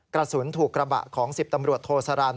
กระสุนถูกกระบะของ๑๐ตำรวจโทสารัน